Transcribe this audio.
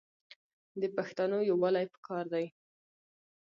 د پښتانو یوالي پکار دی.